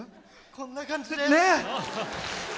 こんな感じです。